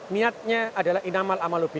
niatnya adalah inamal amalubi